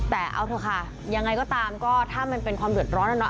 แต่เอาเถอะค่ะยังไงก็ตามก็ถ้ามันเป็นความเดือดร้อนแล้วเนอ